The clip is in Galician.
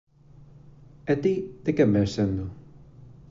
E ti de quen ves sendo?